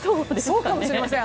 そうかもしれません。